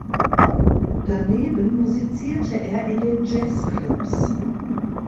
Daneben musizierte er in den Jazzclubs.